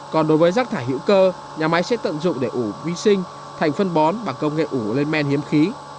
còn đối với rác thải hữu cơ nhà máy sẽ tận dụng để ủ vi sinh thành phân bón bằng công nghệ ủ lên men hiếm khí